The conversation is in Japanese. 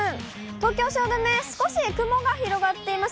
東京・汐留、少し雲が広がっています。